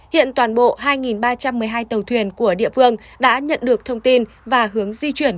hiện toàn bộ hai ba trăm một mươi hai tàu thuyền của địa phương đã nhận được thông tin và hướng di chuyển